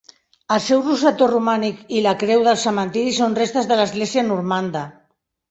El seu rosetó romànic i la creu del cementiri són restes de l'església normanda.